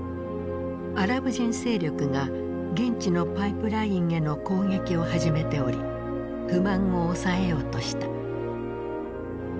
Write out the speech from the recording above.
アラブ人勢力が現地のパイプラインへの攻撃を始めており不満を抑えようとした。